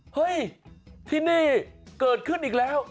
เฮ้ยที่นี่เกิดขึ้นอีกแล้ว